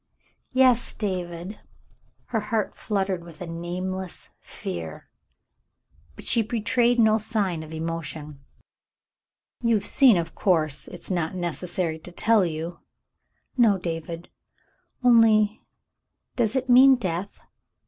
"Yes, David." Her heart fluttered with a nameless fear, but she betrayed no sign of emotion. "You've seen, of course. It's not necessary to tell you." "No, David — only — does it mean death